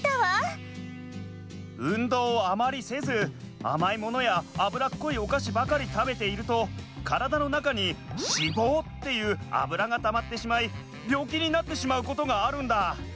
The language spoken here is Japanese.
運動をあまりせずあまいものやあぶらっこいおかしばかりたべているとカラダのなかに脂肪っていうアブラがたまってしまいびょうきになってしまうことがあるんだ。